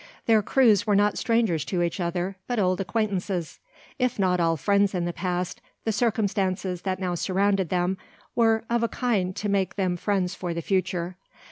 Their crews were not strangers to each other, but old acquaintances. If not all friends in the past, the circumstances that now surrounded them were of a kind to make them friends for the future.